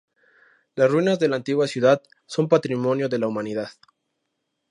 Las ruinas de la antigua ciudad son Patrimonio de la Humanidad.